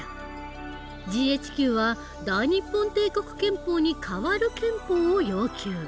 ＧＨＱは大日本帝国憲法に代わる憲法を要求。